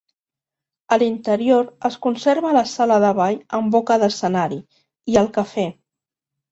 A l'interior es conserva la sala de ball amb boca d'escenari, i el cafè.